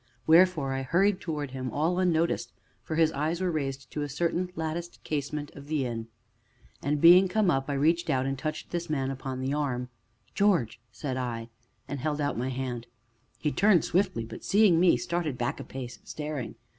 Wherefore I hurried towards him, all unnoticed, for his eyes were raised to a certain latticed casement of the inn. And, being come up, I reached out and touched this man upon the arm. "George!" said I, and held out my hand. He turned swiftly, but, seeing me, started back a pace, staring.